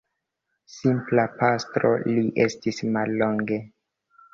Simpla pastro li estis mallonge.